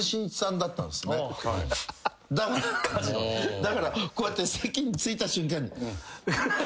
だからこうやって席に着いた瞬間に。